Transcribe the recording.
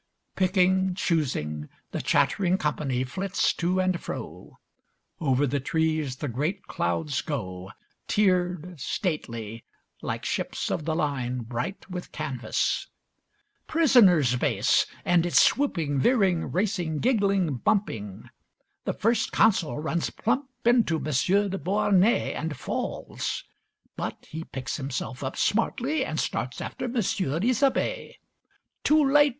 Picking, choosing, the chattering company flits to and fro. Over the trees the great clouds go, tiered, stately, like ships of the line bright with canvas. Prisoners' base, and its swooping, veering, racing, giggling, bumping. The First Consul runs plump into M. de Beauharnais and falls. But he picks himself up smartly, and starts after M. Isabey. Too late, M.